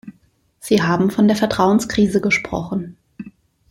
Sie haben von der Vertrauenskrise gesprochen.